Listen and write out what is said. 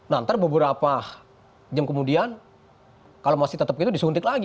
nanti beberapa jam kemudian kalau masih tetap gitu disuntik lagi